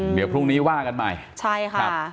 เดี๋ยวพรุ่งนี้ว่ากันใหม่ใช่ค่ะ